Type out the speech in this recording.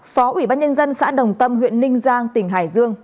phó ủy ban nhân dân xã đồng tâm huyện ninh giang tỉnh hải dương